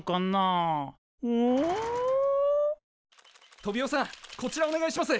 トビオさんこちらお願いします！